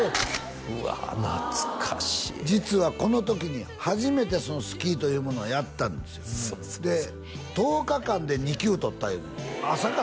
うわ懐かしい実はこの時に初めてスキーというものをやったんですよで１０日間で２級取った言うねん